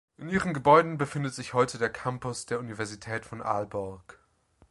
In ihren Gebäuden befindet sich heute der Campus der Universität von Aalborg.